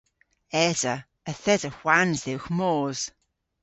Esa. Yth esa hwans dhywgh mos.